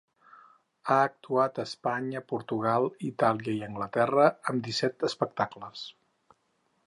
Ha actuat Espanya, Portugal, Itàlia i Anglaterra amb disset espectacles.